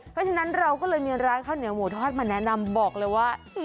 เพราะฉะนั้นเราก็เลยมีร้านข้าวเหนียวหมูทอดมาแนะนำบอกเลยว่า